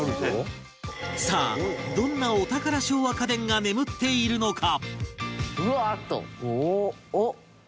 さあどんなお宝昭和家電が眠っているのか？